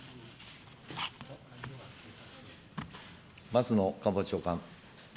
松野官房長官。